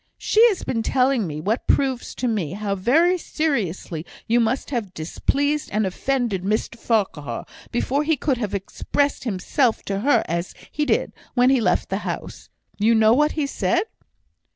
"She has been telling me what proves to me how very seriously you must have displeased and offended Mr Farquhar, before he could have expressed himself to her as he did, when he left the house. You know what he said?"